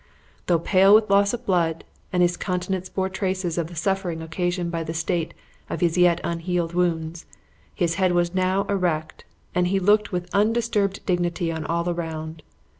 Though pale with loss of blood, and his countenance bore traces of the suffering occasioned by the state of his yet unhealed wounds, his head was now erect, and he looked with undisturbed dignity on all around.